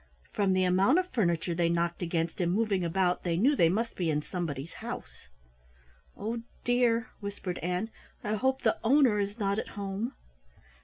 From the amount of furniture they knocked against in moving about they knew they must be in somebody's house. "Oh, dear," whispered Ann, "I hope the owner is not at home!"